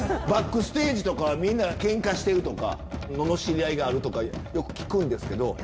バックステージとか、みんな、けんかしてるとか、ののしり合いがあるとか、よく聞くんですけど。